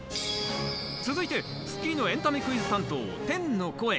続いて『スッキリ』のエンタメ・クイズ担当、天の声。